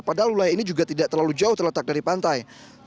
padahal wilayah ini juga tidak terlalu jauh terletak dari pantai